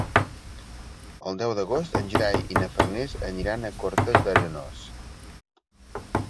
El deu d'agost en Gerai i na Farners aniran a Cortes d'Arenós.